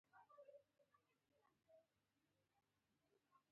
خپل نوم یې پر ژواو لومړی او پلازمېنې نوم یې بدل کړ.